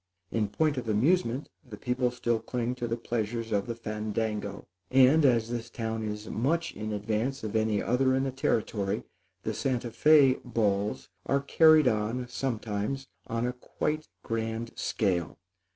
In point of amusement the people still cling to the pleasures of the fandango; and, as this town is much in advance of any other in the Territory, the Santa Fé balls are carried on, sometimes, on quite a grand scale.